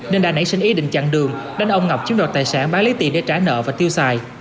nên đã nảy sinh ý định chặn đường đánh ông ngọc chiếm đoạt tài sản bán lấy tiền để trả nợ và tiêu xài